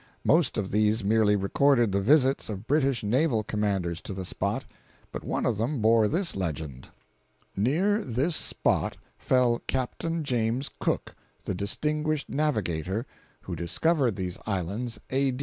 Most of these merely recorded the visits of British naval commanders to the spot, but one of them bore this legend: "Near this spot fell CAPTAIN JAMES COOK, The Distinguished Circumnavigator, who Discovered these Islands A.